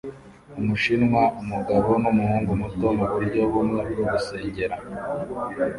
Umushinwa + umugabo numuhungu muto muburyo bumwe bwo gusengera